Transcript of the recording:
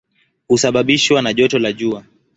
Husababishwa na joto la jua.